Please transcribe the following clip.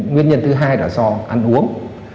nguyên nhân thứ hai là do ăn uống